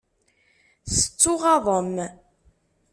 Tettuɣaḍem.